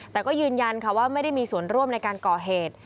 แต่ก็ยืนยันค่ะว่าไม่ได้มีส่วนร่วมในการก่อเหตุ